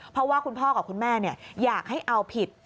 เพราะว่าคุณพ่อกับคุณแม่อยากให้เอาผิด